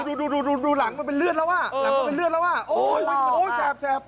โหวะดูหลังมันเป็นเลือดแล้วอ๋อโหวะแยบ